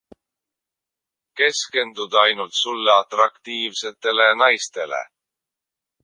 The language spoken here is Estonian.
Keskendud ainult sulle atraktiivsetele naistele.